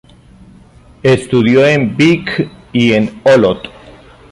Estudió en Vich y en Olot.